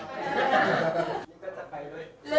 กินรถไปด้วย